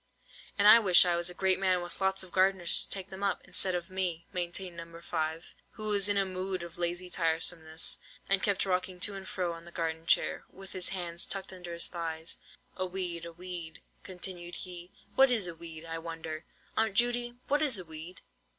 "And I wish I was a great man, with lots of gardeners to take them up, instead of me," maintained No. 5, who was in a mood of lazy tiresomeness, and kept rocking to and fro on the garden chair, with his hands tucked under his thighs. "A weed—a weed," continued he; "what is a weed, I wonder? Aunt Judy, what is a weed?"